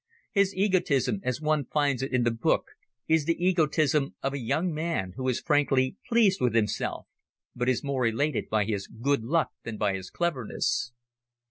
His egotism, as one finds it in the book, is the egotism of a young man who is frankly pleased with himself, but is more elated by his good luck than by his cleverness.